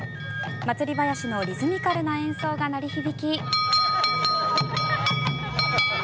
祭りばやしのリズミカルな演奏が鳴り響き。